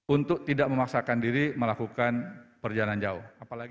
untuk tidak memaksakan diri melakukan perjalanan jauh